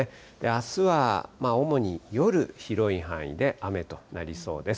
あすは主に夜、広い範囲で雨となりそうです。